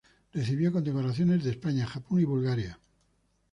Recibió condecoraciones de España, Japón y Bulgaria.